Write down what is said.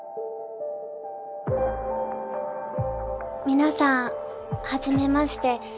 皆さんはじめまして。